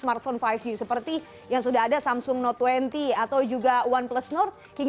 apa yang terjadi